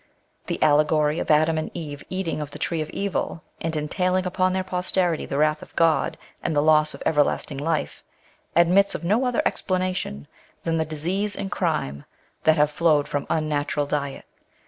The allegory of Adam and Eve eating of the tree of evil, and entailing upon their posterity the wrath of God, and the loss of everlasting life, admits of no other explanation than the disease and crime that have flowed from unnatural diet.